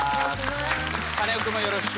カネオくんもよろしく。